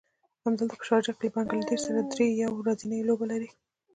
همدلته په شارجه کې له بنګله دېش سره دری يو ورځنۍ لوبې لري.